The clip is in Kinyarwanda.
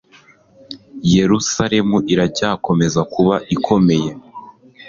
Yerusalemu iracyakomeza kuba ikomeye